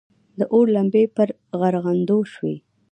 د اور لمبې پر غرغنډو شوې.